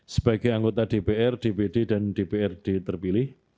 sebagai anggota dpr dpd dan dprd terpilih